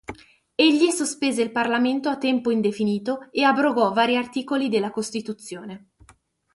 Egli sospese il parlamento a tempo indefinito e abrogò vari articoli della costituzione.